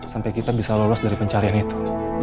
sampai kita bisa lolos dari pencarian itu